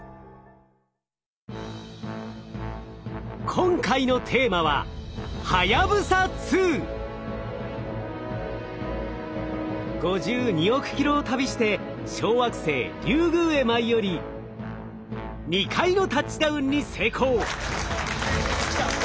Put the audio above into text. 今回のテーマは５２億キロを旅して小惑星リュウグウへ舞い降り２回のタッチダウンに成功。